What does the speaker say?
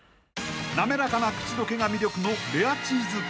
［滑らかな口溶けが魅力のレアチーズケーキ］